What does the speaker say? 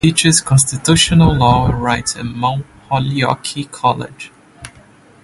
He teaches constitutional law and rights at Mount Holyoke College.